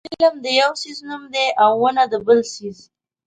علم د یو څیز نوم دی او ونه د بل څیز.